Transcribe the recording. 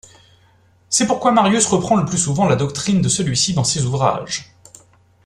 C'est pourquoi Marius reprend le plus souvent la doctrine de celui-ci dans ses ouvrages.